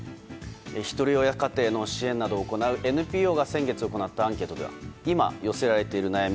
ひとり親家庭の支援などを行うＮＰＯが先月行ったアンケートでは今、寄せられている悩み